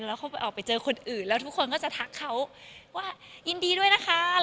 แล้วเขาออกไปเจอคนอื่นแล้วทุกคนก็จะทักเขาว่ายินดีด้วยนะคะ